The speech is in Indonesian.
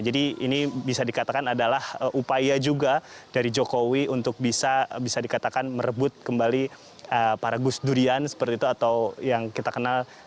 jadi ini bisa dikatakan adalah upaya juga dari jokowi untuk bisa dikatakan merebut kembali para gus durian seperti itu atau yang kita kenal